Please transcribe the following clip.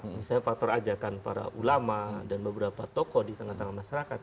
misalnya faktor ajakan para ulama dan beberapa tokoh di tengah tengah masyarakat